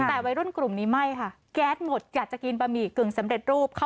แต่วัยรุ่นกลุ่มนี้ไม่ค่ะแก๊สหมดอยากจะกินบะหมี่กึ่งสำเร็จรูป